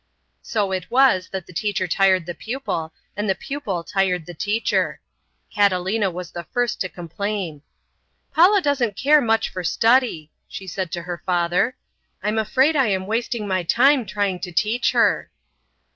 So it was that the teacher tired the pupil and the pupil tired the teacher. Catalina was the first to complain. "Paula doesn't care much for study," she said to her father. "I'm afraid I am wasting my time trying to teach her."